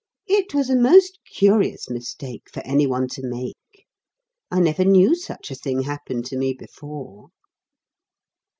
It was a most curious mistake for any one to make. I never knew such a thing happen to me before.